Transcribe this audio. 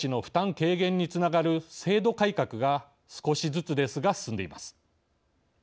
軽減につながる制度改革が少しずつですが進んでいます。